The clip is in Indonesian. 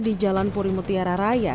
di jalan purimutiara raya